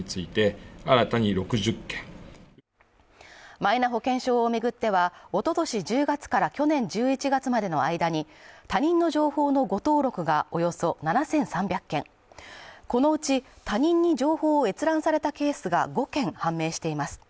マイナ保険証を巡ってはおととし１０月から去年１１月までの間に他人の情報の誤登録がおよそ７３００件このうち、他人に情報を閲覧されたケースが５件判明しています。